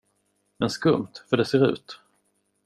Men skumt, för det ser ut.